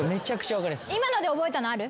今ので覚えたのある？